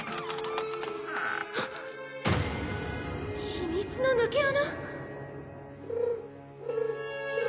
秘密の抜け穴！？